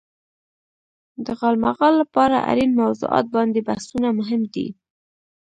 د غالمغال لپاره اړين موضوعات باندې بحثونه مهم دي.